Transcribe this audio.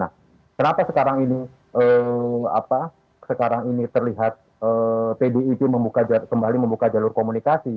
kenapa sekarang ini terlihat pdip kembali membuka jalur komunikasi